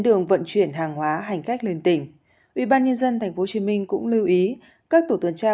đường vận chuyển hàng hóa hành khách lên tỉnh ủy ban nhân dân tp hcm cũng lưu ý các tổ tuần tra